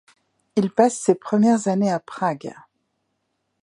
Il passe ses premières années à Prague.